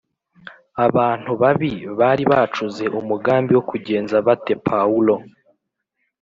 Abantu babi bari bacuze umugambi wo kugenza bate Pawulo